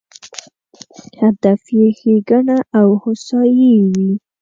هدف یې ښېګڼه او هوسایي وي.